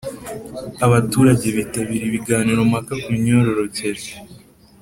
Abaturage bitabiriye ibiganiro mpaka ku myororokere